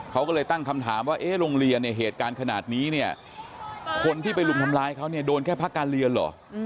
เขาก็เลยตั้งคำถามว่าเอ๊ะโรงเรียนเนี่ยเหตุการณ์ขนาดนี้เนี่ยคนที่ไปรุมทำร้ายเขาเนี่ยโดนแค่พักการเรียนเหรอ